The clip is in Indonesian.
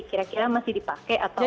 kira kira masih dipakai atau